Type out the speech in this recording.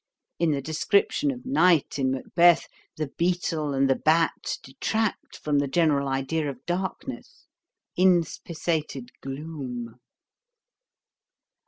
In the description of night in Macbeth, the beetle and the bat detract from the general idea of darkness, inspissated gloom.'